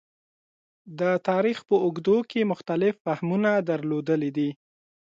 د تاریخ په اوږدو کې مختلف فهمونه درلودلي دي.